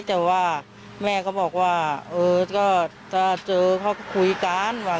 แต่ว่าแม่ก็บอกว่าถ้าเจอเขาก็คุยกัน